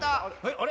あれ？